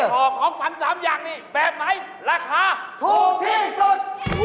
ห่อของขวัญ๓อย่างนี้แบบไหนราคาถูกที่สุด